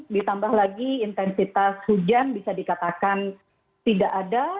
ditambah lagi intensitas hujan bisa dikatakan tidak ada